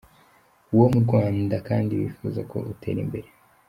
wo mu Rwanda kandi bifuza ko utera imbere.